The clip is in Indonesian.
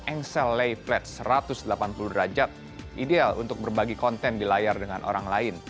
engsel lay flets satu ratus delapan puluh derajat ideal untuk berbagi konten di layar dengan orang lain